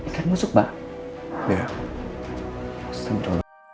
apa kamu melihat sesuatu yang mencurigakanreten